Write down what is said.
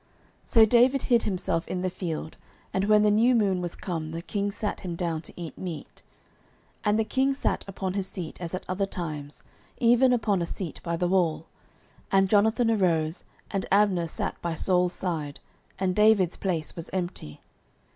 09:020:024 So David hid himself in the field: and when the new moon was come, the king sat him down to eat meat. 09:020:025 And the king sat upon his seat, as at other times, even upon a seat by the wall: and Jonathan arose, and Abner sat by Saul's side, and David's place was empty.